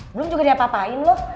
belum juga diapa apain loh